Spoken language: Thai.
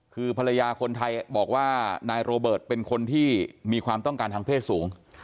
คือภรรยาคนไทยบอกว่านายโรเบิร์ตเป็นคนที่มีความต้องการทางเพศสูง